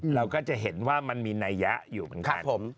เราก็จะเห็นว่ามันมีนัยยะอยู่เหมือนกัน